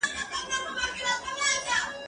ته ولي انځور ګورې،